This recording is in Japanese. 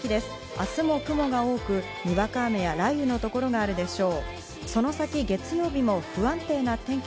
明日も雲が多く、にわか雨や雷雨の所があるでしょう。